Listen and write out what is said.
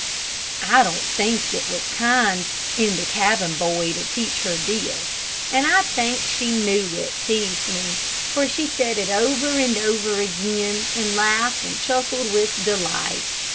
I don't think it was kind in the cabin boy to teach her this, and I think she knew it teased me, for she said it over and over again, and laughed and chuckled with delight.